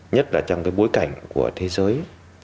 nhất là trong cái bối cảnh của thế giới hai nghìn một mươi tám